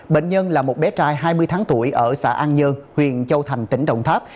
bệnh nhân là một bé trai hai mươi tháng tuổi ở xã an nhơn huyện châu thành tỉnh đồng tháp